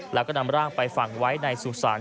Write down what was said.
แล้วก็นำร่างไปฝังไว้ในสุสาน